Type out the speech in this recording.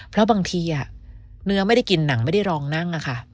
เพราะบางทีเนื้อไม่ได้กินหนังไม่ได้รองนั่ง